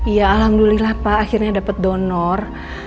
iya alhamdulillah pak akhirnya dapet donor